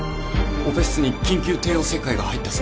オペ室に緊急帝王切開が入ったそうです。